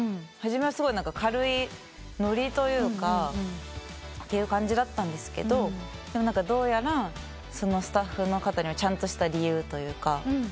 初めはすごい軽いノリっていう感じだったんですけどどうやらそのスタッフの方にはちゃんとした理由というか。